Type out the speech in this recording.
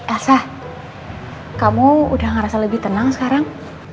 asah kamu udah ngerasa lebih tenang sekarang